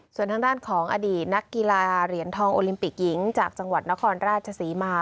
ส่วนทางด้านของอดีตนักกีฬาเหรียญทองโอลิมปิกหญิงจากจังหวัดนครราชศรีมา